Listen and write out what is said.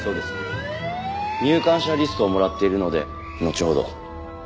入館者リストをもらっているのでのちほど。